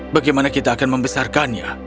bagaimana kita akan membesarkannya